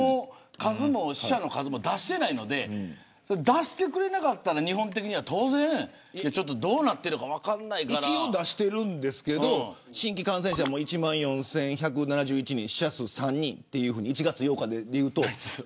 死者の数も出してないので出してくれなかったら日本的には当然どうなっているか分からないから一応出していますけど新規感染者が１万４１７１人、死者数３人１月８日で言うと。